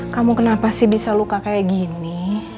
kamu kenapa sih bisa luka kayak gini